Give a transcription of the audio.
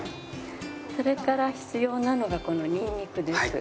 それから必要なのがこのニンニクです。